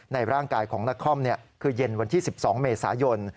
ในร่างกายของนครคือเย็นวันที่๑๒เมษายน